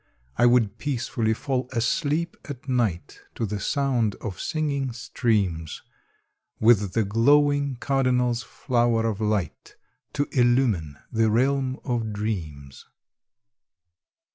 I would peacefully fall asleep at night To the sound of singing streams, With the glowing cardinal's flower of light To illumine the realm of dreams.